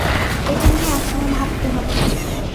এটা নিয়ে এক সময় ভাবতে হবে।